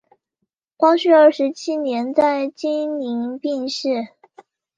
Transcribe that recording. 光绪二十七年在经岭病逝。